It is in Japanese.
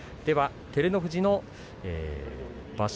照ノ富士の場所